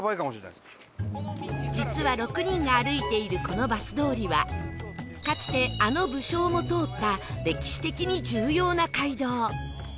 実は６人が歩いているこのバス通りはかつてあの武将も通った歴史的に重要な街道